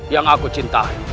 yang aku cintai